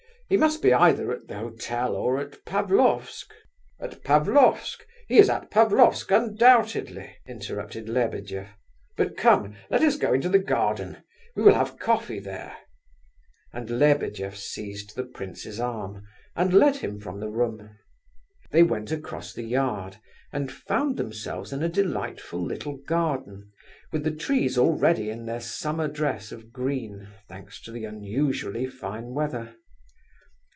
He must be either at the hotel or at Pavlofsk." "At Pavlofsk! He is at Pavlofsk, undoubtedly!" interrupted Lebedeff.... "But come—let us go into the garden—we will have coffee there...." And Lebedeff seized the prince's arm, and led him from the room. They went across the yard, and found themselves in a delightful little garden with the trees already in their summer dress of green, thanks to the unusually fine weather.